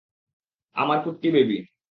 আমার কুট্টি বেবি।